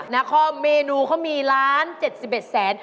ในข้อเมนูเค้ามีหนึ่งล้านเจ็ดสิบเอ็ดแสน